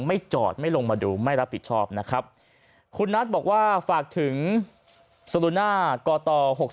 ไม่จอดไม่ลงมาดูไม่รับผิดชอบนะครับคุณนัทบอกว่าฝากถึงสลูน่ากต๖๒